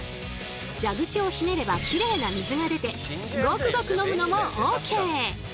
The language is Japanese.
蛇口をひねればキレイな水が出てゴクゴク飲むのもＯＫ！